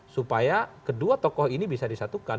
supaya kedua tokoh ini bisa disatukan